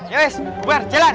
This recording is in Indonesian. ya guys keluar jalan